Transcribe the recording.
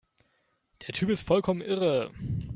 Der Typ ist vollkommen irre!